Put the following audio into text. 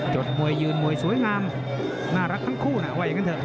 มวยยืนมวยสวยงามน่ารักทั้งคู่นะว่าอย่างนั้นเถอ